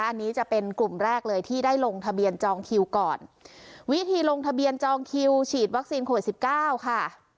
อันนี้จะเป็นกลุ่มแรกเลยที่ได้ลงทะเบียนจองคิวก่อนวิธีลงทะเบียนจองคิวฉีดวัคซีนโควิดสิบเก้าค่ะ